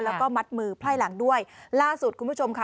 แล้วก็มัดมือไพร่หลังด้วยล่าสุดคุณผู้ชมค่ะ